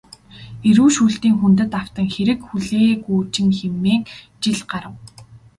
Эрүү шүүлтийн хүндэд автан хэрэг хүлээгүүжин хэмээн жил харав.